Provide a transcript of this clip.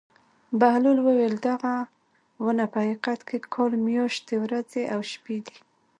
بهلول وویل: دغه ونه په حقیقت کې کال میاشتې ورځې او شپې دي.